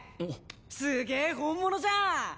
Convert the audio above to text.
すげえ本物じゃん！